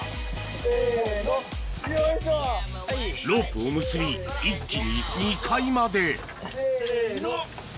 ロープを結び一気に２階までせの！